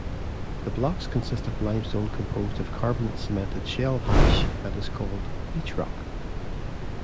The blocks consist of limestone composed of carbonate-cemented shell hash that is called "beachrock".